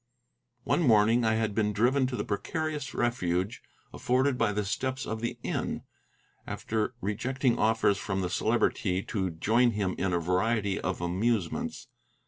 One morning I had been driven to the precarious refuge afforded by the steps of the inn, after rejecting offers from the Celebrity to join him in a variety of amusements.